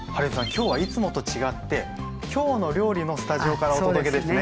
今日はいつもと違って「きょうの料理」のスタジオからお届けですね。